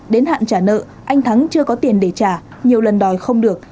đến hạn trả nợ anh thắng chưa có tiền để trả nhiều lần đòi không được